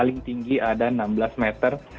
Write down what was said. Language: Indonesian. paling tinggi ada enam belas meter